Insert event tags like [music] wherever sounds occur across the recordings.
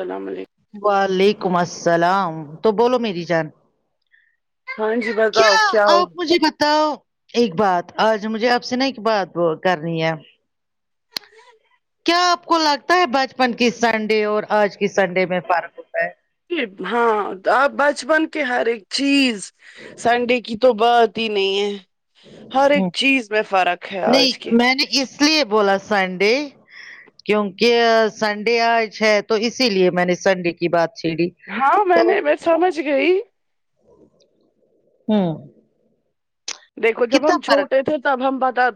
سلام علیکم وعلیکم السلام تو بولو میری جان ہاں جی کیا بتاؤ ہو آپ مجھے بتاؤ ایک بات آج مجھے آپ سے نا ایک بات کرنی ہے کیا آپ کو لگتا ہے بچپن کی سنڈے اور آج کی سنڈے میں فرق ہوتا ہے ہاں آپ بچپن کے ہر ایک چیز سنڈے کی تو بات نہیں ہے ہر ایک ہوں چیز میں فرق ہے آج کی نہیں میں نے کس لیے بولا سنڈے کیونکہ سنڈے آئے ہے تو اسی لیے میں نے سنڈے کی بات چھیڑی ہاں میں تو نے میں سمجھ گئی ہمم دیکھو جب ہم فرق چھوٹے تھے تب ہم بتا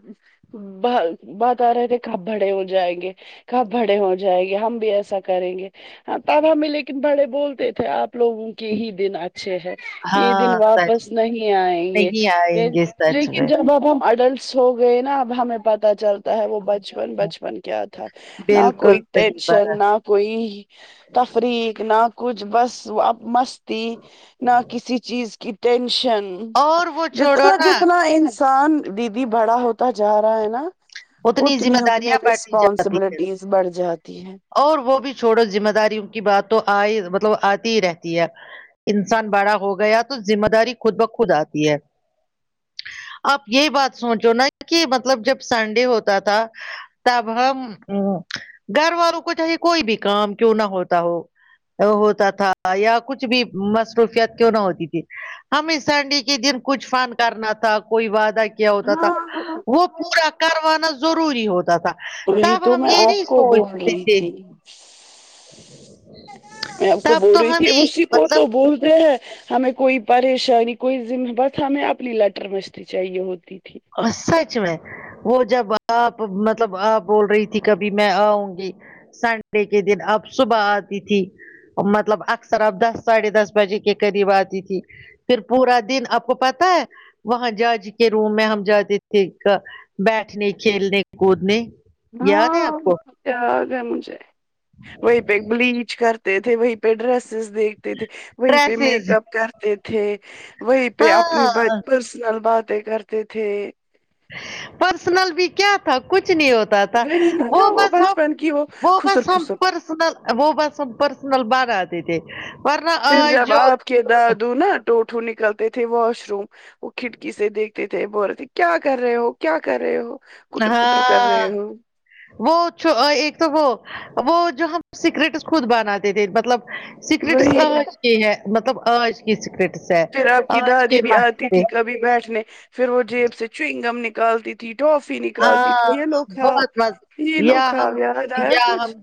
باتا رہے تھے کب بڑے ہو جائیں گے کب بڑے ہو جائےیں گے ہم بھی ایسا کریں گے ہاں تب ہمیں لیکن بڑے بولتے تھے آپ لوگوں کے ہی دن آچ اچھے ہے یہ دن ہاں سچ واپس نہیں آئیں گے نہیں آئیں گے سچ لیکن میں جب اب ہم اڈلٹس ہو گئے نا اب ہمیں پت چلتا تا ہے وہ بچپن بچپن کیا تھا نہ بالکل کوئی صحیح ٹینشن بات نہ کوئی تفریق نہ کچھ بس اب مستی نہ کسی چیز کی ٹینشن اور وہ چھوڑو جتنا نا جتنا انسان دیدی بڑا ہوتا جا رہا ہے نا ذمہ اتنی اتنی داریاں بڑھتی جاتی ہے رسپانسبلٹیز بڑھ جاتی ہے اور وہ بھی چھوڑو ذمہ داریوں کی بات تو آئے مطلب آتی ہی رہتی ہے انسان بڑا ہو گیا تو ذمہ داری خود بخود آتی ہے آپ یہ بات سوچو نا کہ مطلب جب سنڈے ہوتا تھا تب ہم گھر والوں کو چاہیے کوئی بھی کام کیوں نہ ہوتا ہو ہوتا تھا یا کچھ بھی مصروفیت کیوں نہ ہوتی تھی ہمیں سنڈے کے دن کچھ فن کرنا تھا کوئی وعدہ کیا ہوتا تھا وہ پورا کروانا ضروری ہوتا تھا وہی تب تو ہم میں یہ آپ نہیں کو بول سوچتے رہی تھے تھی میں اپ کو تب بول تو رہی تھی ہمیں وہ اسی کو مطلب تو بولتے ہیں ہمیں کوئی پریشانی کوئی ذمہ بس ہمیں اپنی لٹر مستی چاہیے ہوتی تھی سچ میں وہ جب آپ مطلب آپ بول رہی تھی کبھی میں آؤں گی سنڈے کے دن آپ صبح آتی تھی مطلب اکثر آپ دس ساڑھے دس بجے کے قریب آتی تھی پھر پورا دن آپ کو پتا ہے وہاں جاج کے روم میں ہم جاتے تھے بیٹھنے کھیلنے کودنے یاد ہے ہاں آپ کو یاد ہے مجھے وہیں پہ بلیچ کرتے تھے وہی پر ڈریسز دیکھتے تھے وہیں پہ ڈریسز میک اپ کرتے تھے وہیں پہ اپنی ہاں پرسنل باتیں کرتے تھے پرسنل بھی کیا تھا کچھ نہیں ہو تا تھا وہی نا وہ جو بس ہم بچپن کی وہ خسر بس ہم پھسر پرس نل وہ بس ہم پرسنل بارا دے تھے ورنہ پھر آج جب جو آپ کے دادو نا ٹوٹھو نکلتے تھے واش روم وہ کھڑکی سے دیکھ تے تھے بول تے تھے کیا کر رہے ہو کیا کر رہے ہو کٹر پٹر کر ہاں رہے ہو وہ ایک تو وہ وہ جو ہم سیکریٹس خود بناتے تھے مطلب سیکرٹس وہی آج کی ہے مطلب آج کی سیکرٹس ہے پھر آپ کی آج دادی کے بھی ماہ آتی تھی کبھی بیٹھنے پھر وہ جیب سے چرئگم نکالتی ٹوفی نکالتی ہاں تھ یہ لو کھاؤ بہت مز یہ لو کھاؤ یاد ایا کچھ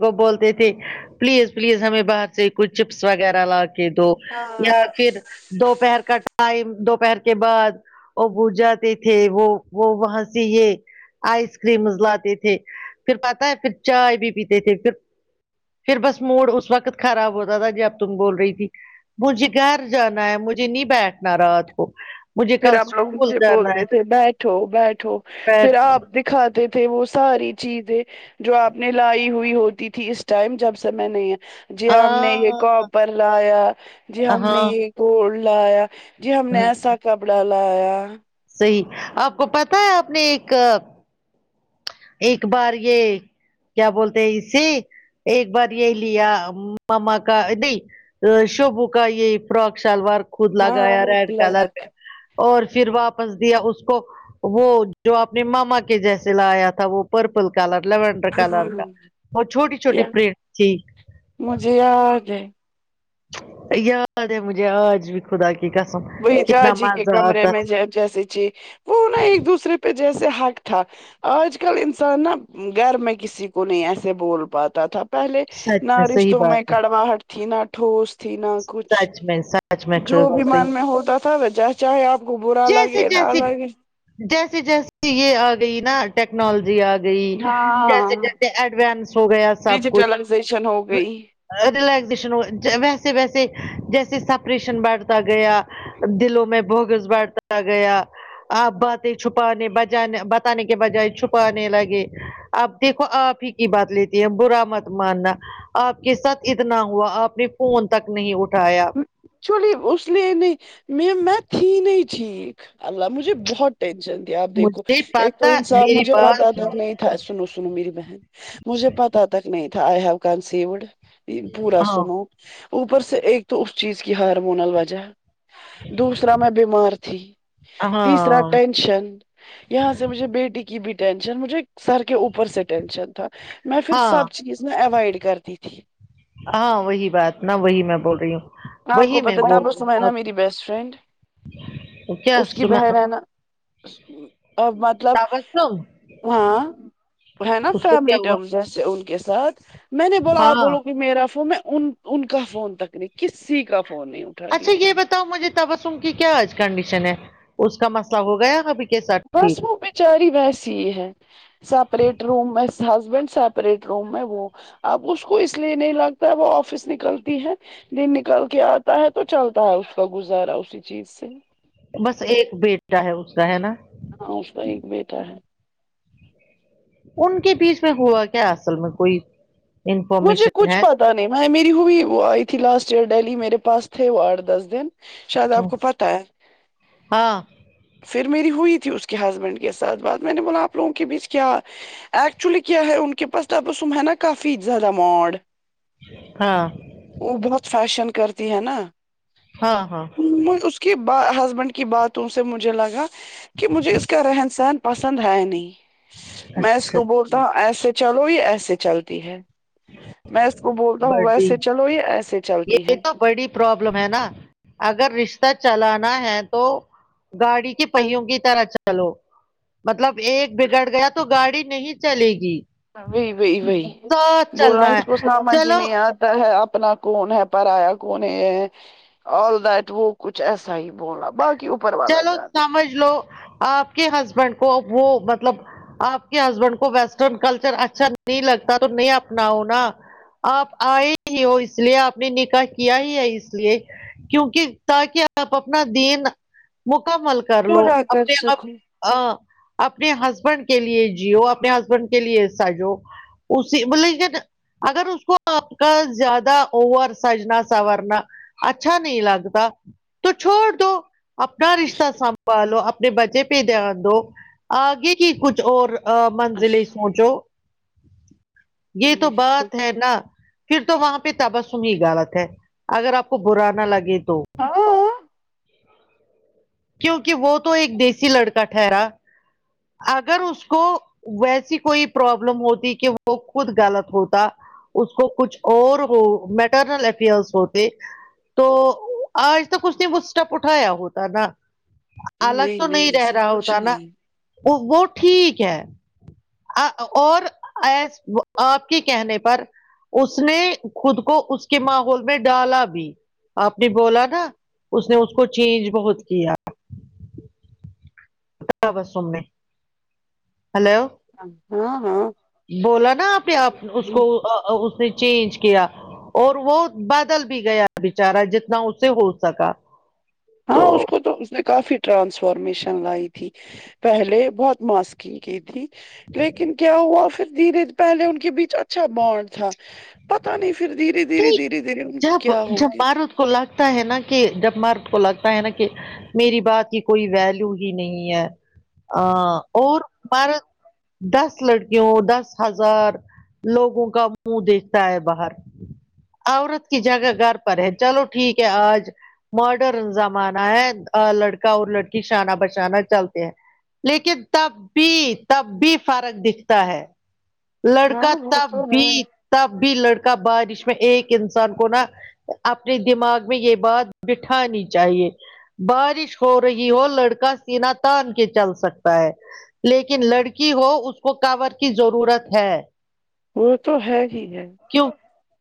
وہ بولتے تھے پلیز پلیز ہمیں باہر سے کچھ چپس وغیرہ لا کے دو ہاں یا پھر دوپہر کا ٹائم دوپہر کے بعد وہ بج جاتے تھے وہ وہ وہاں جی یہ آئس کریمز لاتے تھے پھر پتہ ہے پھر چائے بھی پیتے تھے پھر پھر بس موڈ اس وقت خراب ہوتا تھا جب تم بول رہی تھی مجھے گھر جانا ہے مجھے نہیں بیٹھنا رات کو مجھے پھر کل آپ لوگ اسکول مجھے جانا ہے بولتے تھے بیٹھو بیٹھو بیٹھ پھر آپ دکھاتے تھے وہ ساری چیزیں جو آپ نے لائی ہوئی ہوتی تھی اس ٹائم جب سے میں نہیں جی ہم نے یہ ہاں کاپر لایا جی ہم نے ہاں یہ گولڈ لایا جی ہم نے ایسا کپڑا لایا صحیح آپ کو پتا ہے آپ نے ایک ایک بار یہ کیا بولتے ہے اسے ایک بار یہ لیا ماما کا نہیں ا شبو کا یہ فراک شلوار خود ہاں لگایا وہ ریڈ کلر بلیک اور پھر واپس دیا اس کو وہ جو اپنے ماما کے جیسے لایا تھا وہ پرپل کلر لیونڈر ہاں کلر کا اور چھوٹی چھوٹی [unintelligible] تھی مجھے یاد ہے یاد ہے مجھے آج بھی خدا کی قسم وہی جا کتنا جی کے مزہ کمرے آتا میں تھا جے- جیسے کی وہ نا ایک دوسرے پہ جیسے حق تھا آج کل انسان نا گھر میں کسی کو نہیں ایسے بول پاتا تھا پہلے سچ نہ میں صحیح رشتوں میں بات ہے کڑواہٹ تھی نہ ٹھوس تھی نہ کچھ سچ میں سچ میں جو بیمار صحیح ہوتا تھا جب چاہے آپ کو برا لگے نہ لگے جیس جیسے یہ آ گئی نا ٹیکنالوجی آ گ گئی ہاں جیسے جیسے ایڈوانس ہو گیا سب کچھ ڈیجیٹلائزیشن ہو گئی ریلیکزیشن ہو ویسے ویسے جیسے سپریشن بڑھتا گیا دلو میں بگس بیٹھ تا گیا آپ باتیں چھپانے بجانے بتانے کے بجائے چھپانے لگے اب دیکھو آپ ہی کی بات لیتی ہوں برا مت ماننا آپ کے ساتھ اتنا ہوا آپ نے فون تک نہیں اٹھایا چلیے اس لیے نہیں میں میں تھی نہیں ٹھیک اللہ بہت ٹینشن تھی اب دیکھو مجھے ایک تو پتا انسان میری مجھے پتا بات تھا نہیں سنو سنو میری بہن مجھے پتا تک نہیں تھا ائی ہوے کونصفڈ پورا ہاں سنو اوپر سے ایک تو اس چیز کی ہارمونل وجہ دوسرا میں بیمار تھی تیسرا ہاں ٹینشن یہاں سے مجھے بیٹی کی بھی ٹینشن مجھے سر کے اوپر سے ٹینشن تھا میں پھر سب ہاں چیز نہ اوائڈ کرتی تھی ہاں وہی بات نا وہی میں بول رہی ہوں آپ وہی کو میں پتہ بول تب س رہی میں ہوں نا میری بیسٹ فرینڈ اب کیا اس کی سنا بہن ہے نا مطلب تبسم ہاں ہے نا اس کو کیا فیملی ہوا ٹائم جیسے ان کے ساتھ میں نے بولا آپ ہاں بولو کہ میرا فون میں ان کا فون تک نہیں کسی کا فون نہیں اٹھاتی اچھا یہ تھی بتاؤ مجھے تبسم کی کیا آج کنڈیشن ہے اس کا مسئلہ ہو گیا ابھی کے ساتھ بس ٹھیک وہ بچاری ویسی ہی ہے سیپریٹ روم میں ہسبینڈ سیپریٹ روم میں وہ اب اس کو اس لیے نہیں لگتا ہے وہ آفس نکلتی ہے دن نکل کے آتا ہے تو چلتا ہے اس کا گزارا اسی چیز سے بس ایک بیٹا ہے اسکا ہے نا ہاں اسکا ایک بیٹا ہے ان کے بیچ میں ہوا کیا اصل میں کوئی مجھے انفارمیشن کچھ ہے پتا نہیں میں میری ہوئی وہ آئی تھی لاسٹ ایئر ڈہلی میرے پاس تھے وہ آٹھ دس دن شاید آپ کو پتا ہے ہاں پھر میری ہوئی تھی اس کے ہسبینڈ کے ساتھ بات میں نے بولا آپ لوگوں کے بیچ کیا ایکچولی کیا ہے ان کے پاس تبسم ہے نا کافی زیادہ ما ڈ ہاں وہ بہت فیشن کرتی ہے نا ہاں ہاں اس کی ہسبینڈ کی باتوں سے مجھے لگا کہ مجھے اس کا رہن سہن پسند ہے نہیں میں اس اچھا کو بولتا ہوں ایسے چلو یہ ایسے چلتی ہے میں اس کو بولتا ہوں بڑی ویسے چلو یہ ایسے چلتی یہ ہے تو بڑی پرابلم ہے نا اگر رشتہ چلانا ہے تو گاڑی کی پہیوں کی طرح چلو مطلب ایک بگڑ گیا تو گاڑی نہیں چلے گی ہاں وہی وہی وہی ساتھ بولا چلنا اس کو ہے ماما جی چلو نے آ ج لگتا ہے اپنا کون ہے پرار یا کون ہے ال رائٹ ہو کچھ ایسا ہی بولا باقی وہ چلو سمجھ لو آپ کے ہسبینڈ کو وہ مطلب آپ کے ہسبینڈ کو ویسٹرن کلچر اچھا نہیں لگتا تو نہیں اپناؤ نا آپ آئے ہی ہو اس لیے آپ نے نکاح کیا ہی ہے اس لیے کیونکہ تاکہ آپ اپنا دین مکمل کر لو پورا کر اپنے آپ سکوں ا اپنے ہسبینڈ کے لیے جیو اپنے ہسبینڈ کے لیے سجو اسی مطلب کیا اگر اس کو آپ کا زیادہ اوور سجنا سورنا اچھا نہیں لگتا تو چھوڑ دو اپنا رشتہ سنبھالو اپنے بچے پہ دھیان دو آگے کی کچھ اور منزلیں اچھا سوچو یہ تو بات ہے نا پھر تو وہاں پہ تبسم ہی غلط ہے اگر آپ کو برا نا لگے تو ہاں کیونکہ وہ تو ایک دیسی لڑکا ٹھہرا اگر اس کو ویسی کوئی پرابلم ہوتی کہ وہ خود غلط ہوتا اس کو کچھ اور وہ میٹرنل افیئرس ہوتے تو آج تک اس نے وہ اسٹیپ اٹھایا ہوتا نا الگ تو نہیں رہ ایسے رہا کچھ ہوتا نا نہیں وہ ٹھیک ہے اور ای آپ کے کہنے پر اس نے خود کو اس کے ماحول میں ڈالا بھی آپ نے بولا نا اس نے اس کو چینج بہت کیا تبسم نے ہیلو ہاں ہاں بولا نا آپ نے اپ اس کو اس نے چینج کیا اور وہ بدل بھی گیا بیچارہ جتنا اسے ہو سکا ہاں اس کو تو اس نے کافی ٹرانسفارمیشن لائی تھی پہلے بہت ماسکی کی تھی لیکن کیا ہوا پھر دھیرے پہلے ان کے بیچ اچھا بانڈ تھا پتا نہیں پھر دھیرے دھیرے دھیرے دھیرے ان کو جب کیا جب ہوگیا مارت کو لگتا ہے نا کہ جب مرد کو لگتا ہے نا کہ میری بات کی کوئی ویلو ہی نہیں ہے ا اور مار دس لڑکیوں دس ہزار لوگوں کا منہ دیکھتا ہے باہر عورت کی جگہ گھر پر ہے چلو ٹھیک ہے آج ماڈرن زمانہ ہے لڑکا اور لڑکی شانہ بشانہ چلتے ہیں لیکن تب بھی تب بھی فرق دکھتا ہے لڑکا ہاں وہ تب تو بھی ہے تب بھی لڑکا بارش ایک انسان کو نا اپنے دماغ میں یہ بات بٹھانی چاہیے بارش ہو رہی ہو لڑکا سیناتان کے چل سکتا ہے لیکن لڑکی ہو اس کو کور کی ضرورت ہے وہ تو ہے ہی ہے کیوں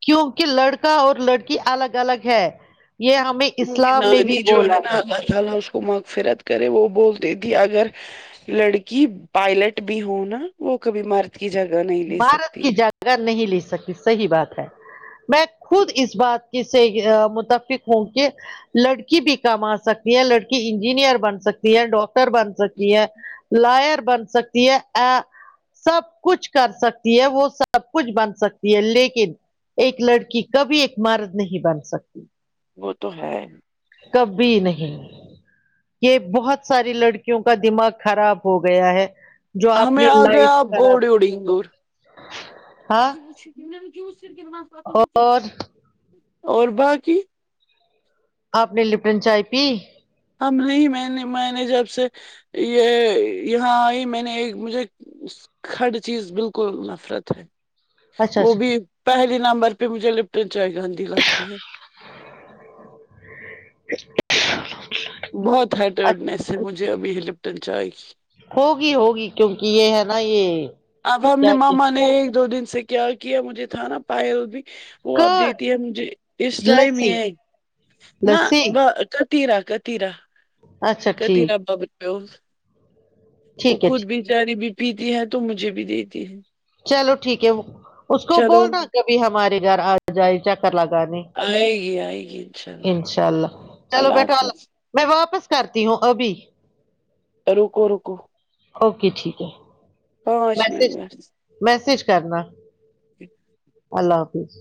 کیونکہ لڑکا اور لڑکی الگ الگ ہے یہ ہم میں اسلام نے بھی بولا ہے جی اللہ اس کو مغفرت کرے وہ بولتی تھی اگر لڑکی پائلٹ بھی ہو نا وہ کبھی مر کی جگہ نہیں برات کی جگہ نہیں لے سکتی صحیح بات ہے میں خود اس بات کی سے متفق ہوں کہ لڑکی بھی کما سکتی ہے لڑکی انجینئر بن سکتی ہے ڈاکٹر بن سکتی ہے لائر بن سکتی ہے ا سب کچھ کر سکتی ہے وہ سب کچھ بن سکتی ہے لیکن ایک لڑکی کبھی ایک مرد نہیں بن سکتی وہ تو ہے کبھی نہیں یہ بہت ساری لڑکیوں کا دماغ خراب ہو گیا ہے جو ہمیں آپنی آ لائف گیا خراب بورڈ اڈنگ ہاں اور اور باجی آپ نے لپٹن چائے پی ہم نہیں میں نے میں نے جب سے یہ یہاں آئی میں نے ایک مجھے اس کھڈ چیز بالکل نفرت ہے اچھا وہ بھی اچھا پہلی نمبر پہ مجھے لپٹن چائے گندی لگتی ہے [unintelligible] بہت ہائٹرٹنیس ہے مجھے ابھی ہی لپٹن چائے کی ہوگی ہوگی کیونکہ یہ ہے نا یہ اب ہم نے کیا ماما نے ایک دو دن سے کیا کیا مجھے تھا نا پائے ر بھی وہ اب کٹ دیتی ہے مجھے اس ٹائم لسی یہ نہ لسی تو ادر کتیرا کتیرا اچھا ٹھیک کتیرا ببر ہو وہ ٹھیک ہے خود ٹھیک بچاری بھی پیتی ہے تو مجھے بھی دیتی ہے چلو ٹھیک ہے اس کو بول چلو نا کبھی ہمارے گھر آ جائے چکر لگانے آئے گی آئے گی ان شاء اللہ انشاء اللہ چلو اللہ بیٹا حافظ [unintelligible] میں واپس کرتی ہوں ابھی رکو رکو اوکے ٹھیک ہے پانچ منٹ بس میسیج کرنا اللہ حافظ